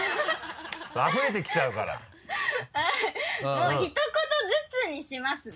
もうひと言ずつにしますね。